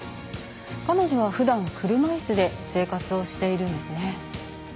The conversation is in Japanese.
彼女はふだん、車いすで生活してるんですね。